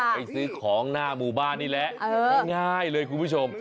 ไปซื้อของหน้าหมู่บ้านนี่แหละง่ายเลยคุณผู้ชม